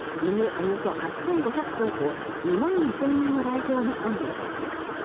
およそ８５００頭と２万５０００人の来場を見込んでいます。